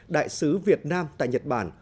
đại sứ việt nam tại nhật bản